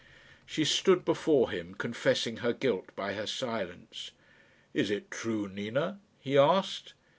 She stood before him confessing her guilt by her silence. "Is it true, Nina?" he asked.